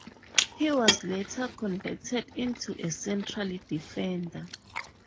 He was later converted into a central defender.